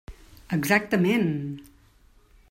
Exactament!